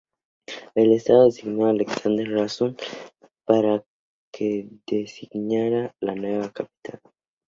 El estado designó a Alexander Ralston para que diseñara la nueva capital.